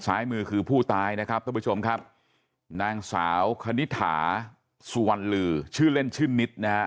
ซ้ายมือคือผู้ตายนะครับท่านผู้ชมครับนางสาวคณิตถาสุวรรณลือชื่อเล่นชื่อนิดนะฮะ